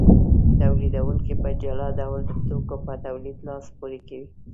تولیدونکي په جلا ډول د توکو په تولید لاس پورې کوي